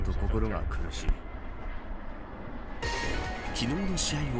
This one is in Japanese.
昨日の試合後